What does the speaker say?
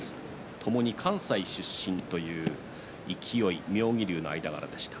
ともに関西出身という勢、妙義龍の間柄でした。